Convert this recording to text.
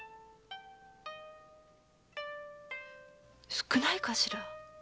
少ないかしら？